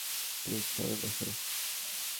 Please সবাই বসো।